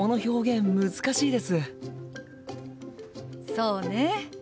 そうね。